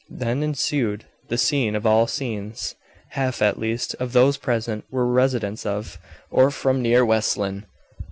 Then ensued the scene of all scenes. Half, at least, of those present, were residents of, or from near West Lynne.